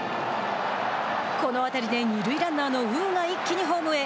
この当たりで二塁ランナーの呉が一気にホームへ。